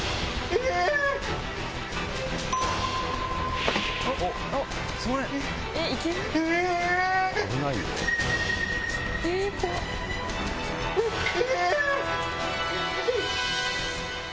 えっえぇ！